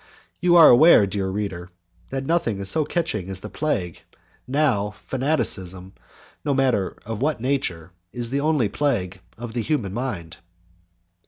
You are aware, dear reader, that nothing is so catching as the plague; now, fanaticism, no matter of what nature, is only the plague of the human mind.